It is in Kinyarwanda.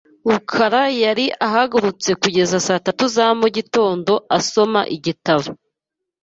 rukara yari ahagurutse kugeza saa tatu za mugitondo asoma igitabo .